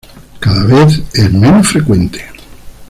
Cada vez es menos frecuente.